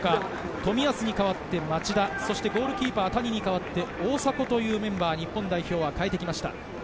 冨安に代わって町田、ゴールキーパー・谷に代わって大迫というメンバーに代えてきました。